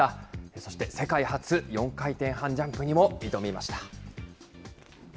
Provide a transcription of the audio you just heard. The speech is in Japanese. そして世界初４回転半ジャンプにも挑みました。